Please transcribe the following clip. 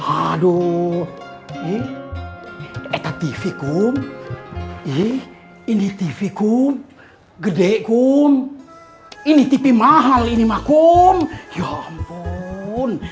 aduh ini tv ini tv besar ini tv mahal ya ampun